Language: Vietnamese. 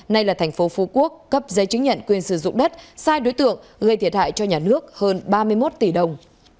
nay là thành phố phú quốc cấp giấy chứng nhận quyền sử dụng đất sai đối tượng gây thiệt hại cho nhà nước hơn ba mươi một tỷ đồng